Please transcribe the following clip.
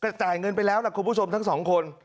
แต่จ่ายเงินไปแล้วล่ะคุณผู้ชมทั้งสองคน